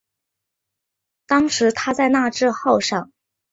当时他在那智号上。